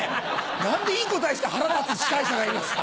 何でいい答えして腹立つ司会者がいるんですか！